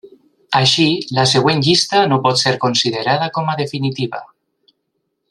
Així, la següent llista no pot ser considerada com a definitiva.